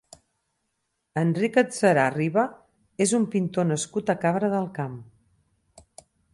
Enric Adserà Riba és un pintor nascut a Cabra del Camp.